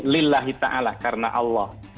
lillahi ta'ala karena allah